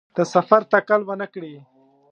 د سفر تکل ونکړي.